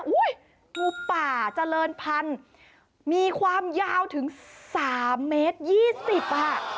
อุ้ยงูป่าเจริญพันธุ์มีความยาวถึง๓เมตร๒๐อ่ะ